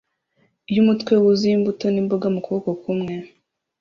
yumutwe wuzuye imbuto n'imboga mukuboko kumwe